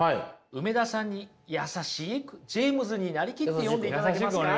梅田さんに優しくジェイムズになりきって読んでいただけますか？